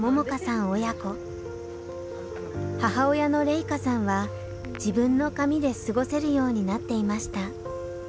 母親のレイカさんは自分の髪で過ごせるようになっていました。